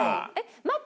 待って。